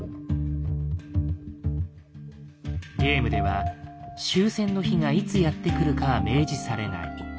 ゲームでは終戦の日がいつやって来るかは明示されない。